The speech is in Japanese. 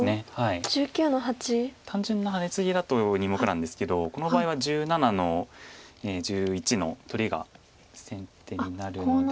単純なハネツギだと２目なんですけどこの場合は１７の十一の取りが先手になるので。